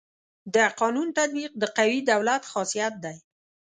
د قانون تطبیق د قوي دولت خاصيت دی.